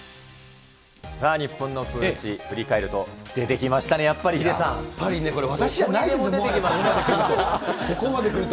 さあ、日本のプール史、振り返ると、出てきましたね、やっぱりヒデさやっぱりね、これ、私じゃないですね、もう、ここまでくると。